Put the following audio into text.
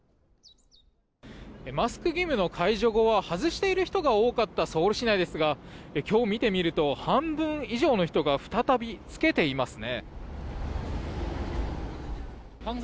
マスク義務の解除後は外している人が多かったソウル市内ですが今日見てみると半分以上の人々が再び着けていますね。